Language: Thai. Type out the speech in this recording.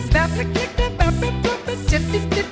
แบบติดตีด้วยแบบติดตีด้วย